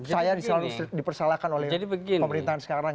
saya disalahkan oleh pemerintahan sekarang